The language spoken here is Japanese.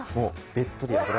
べっとり脂が。